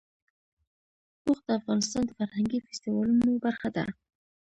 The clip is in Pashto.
اوښ د افغانستان د فرهنګي فستیوالونو برخه ده.